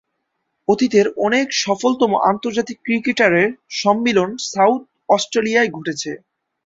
অতীতের অনেক সফলতম আন্তর্জাতিক ক্রিকেটারের সম্মিলন সাউথ অস্ট্রেলিয়ায় ঘটেছে।